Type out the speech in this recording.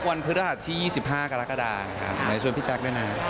วันพฤติรหาสที่๒๕กรกฎาไหมช่วยพี่แจ๊คด้วยนะ